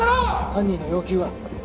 犯人の要求は？